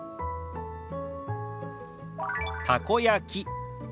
「たこ焼き」。